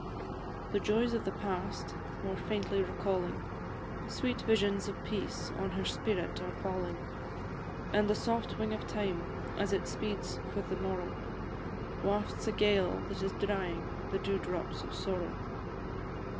The joys of the past, more faintly recalling, Sweet visions of peace on her spirit are falling, And the soft wing of time, as it speeds for the morrow, Wafts a gale, that is drying the dew drops of sorrow.